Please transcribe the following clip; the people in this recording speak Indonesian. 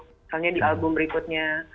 misalnya di album berikutnya